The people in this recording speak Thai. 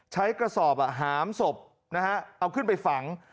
ใช้กระสอบหามศพเอาขึ้นไปฝัง